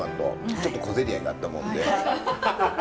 ちょっと小競り合いがあったもんで。